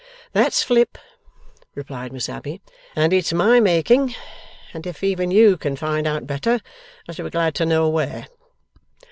'That's flip,' replied Miss Abbey, 'and it's my making, and if even you can find out better, I shall be glad to know where.